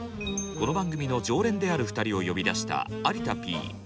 この番組の常連である２人を呼び出した有田Ｐ。